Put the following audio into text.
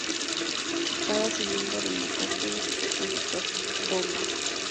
Cada cilindro del motor tiene su propio inyector-bomba.